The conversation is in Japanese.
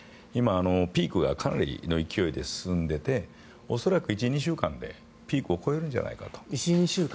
今、ピークがかなりの勢いで進んでいて恐らく１２週間でピークを越えるんじゃないかと。